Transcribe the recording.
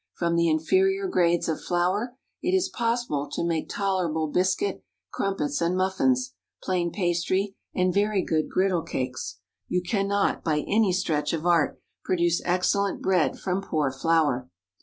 From the inferior grades of flour, it is possible to make tolerable biscuit, crumpets, and muffins, plain pastry, and very good griddle cakes. You cannot, by any stretch of art, produce excellent bread from poor flour.